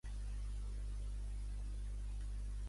Expresse el meu sincer agraïment a les sòcies i als socis.